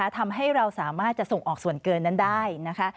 ทำให้เราสามารถจะส่งออกส่วนเกินนั้นได้นะคะ